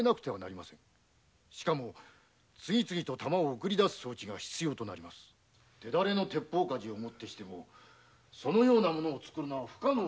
しかも次々と弾を送り出す装置が必要となり手だれの鉄砲鍜治でもそのような物を造るのは不可能かと。